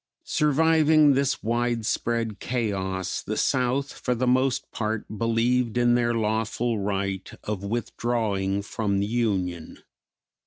Surviving this wide spread chaos the South, for the most part, believed in their lawful right of withdrawing from the Union.